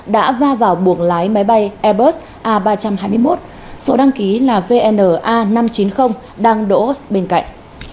đã va vào buồng lái máy bay airbus a ba trăm hai mươi một số đăng ký là vna năm trăm chín mươi đang đỗ bên cạnh